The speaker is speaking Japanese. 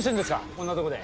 こんなとこで。